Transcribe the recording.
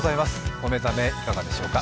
お目覚めいかがでしょうか。